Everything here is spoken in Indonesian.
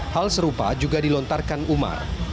hal serupa juga dilontarkan umar